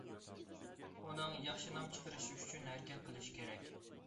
ئۇنىڭ ياخشى نام چىقىرىشى ئۈچۈن ھەرىكەت قىلىشى كېرەك.